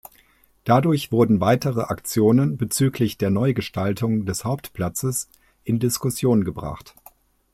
Dadurch wurden weitere Aktionen bezüglich der Neugestaltung des Hauptplatzes in Diskussion gebracht.